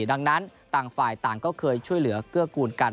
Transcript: ดังนั้นต่างฝ่ายต่างก็เคยช่วยเหลือเกื้อกูลกัน